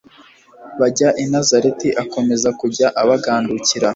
bajya i nazareti akomeza kujya abagandukira